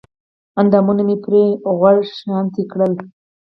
اندامونه مې پرې غوړ شانتې کړل